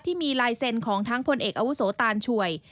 ที่มีลายเซ็นต์ของทั้งพลเอกอาวุโสตานช่วย